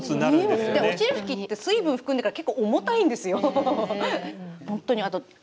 おしりふきって水分含んでるから結構重たいんですよ。